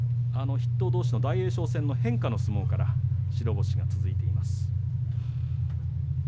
筆頭どうし大栄翔戦変化の白星が続いています。